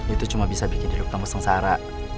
itu cuma bisa bikin hidup kamu sengsara